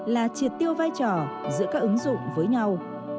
là triệt tiêu vai trò giữa các ứng dụng với nhau